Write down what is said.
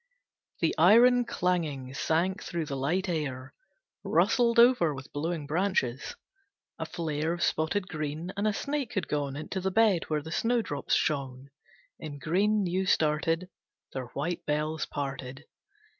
The iron clanging sank through the light air, Rustled over with blowing branches. A flare Of spotted green, and a snake had gone Into the bed where the snowdrops shone In green new started, Their white bells parted.